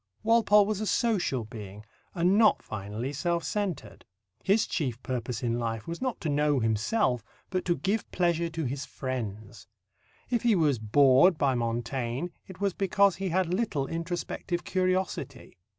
Walpole was a social being, and not finally self centred. His chief purpose in life was not to know himself, but to give pleasure to his friends. If he was bored by Montaigne, it was because he had little introspective curiosity.